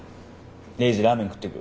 レイジラーメン食ってく？